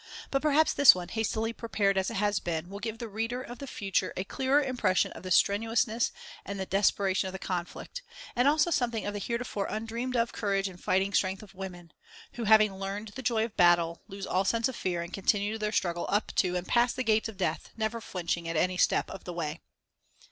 But perhaps this one, hastily prepared as it has been, will give the reader of the future a clearer impression of the strenuousness and the desperation of the conflict, and also something of the heretofore undreamed of courage and fighting strength of women, who, having learned the joy of battle, lose all sense of fear and continue their struggle up to and past the gates of death, never flinching at any step of the way.